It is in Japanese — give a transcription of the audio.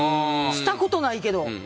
したことないけど。